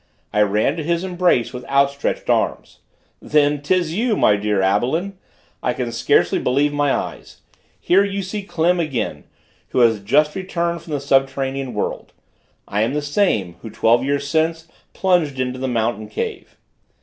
I ran to his embrace with outstretched arms. "Then 'tis you, my dear Abelin! I can scarcely believe my eyes. Here you see Klim again, who has just returned from the subterranean world. I am the same, who twelve years since plunged into the mountain cave."